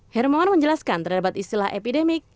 hermawan menjelaskan terdapat istilah epidemik